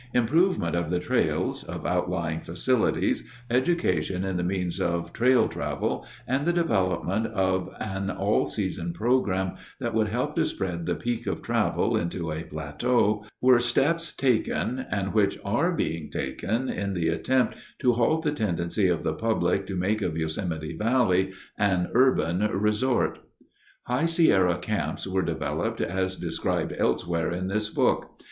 Improvement of the trails, of outlying facilities, education in the means of trail travel, and the development of an all season program that would help to spread the peak of travel into a plateau, were steps taken and which are being taken in the attempt to halt the tendency of the public to make of Yosemite Valley an urban "resort." High Sierra camps were developed, as described elsewhere in this book.